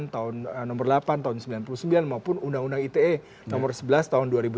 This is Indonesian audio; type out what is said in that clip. tahun nomor delapan tahun sembilan puluh sembilan maupun undang undang ite nomor sebelas tahun dua ribu delapan